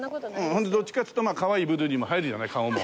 ホントどっちかっていうとかわいい部類にも入るじゃない顔も。